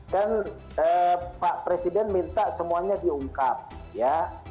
kan pak presiden minta semuanya diungkapkan